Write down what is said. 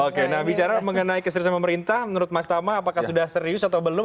oke nah bicara mengenai keseriusan pemerintah menurut mas tama apakah sudah serius atau belum